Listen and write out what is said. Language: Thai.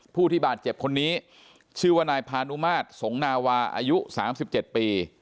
ผู้ที่บาดเจ็บคนนี้ชื่อว่านายพานุมาตรสงนาวาอายุ๓๗ปี